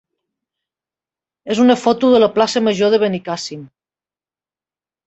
és una foto de la plaça major de Benicàssim.